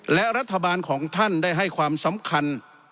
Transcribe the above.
และรัฐบาลของท่านได้ให้ความสำคัญ